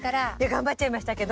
頑張っちゃいましたけど。